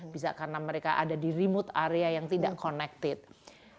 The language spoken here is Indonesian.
bisa karena mereka ada di area yang tidak terhubung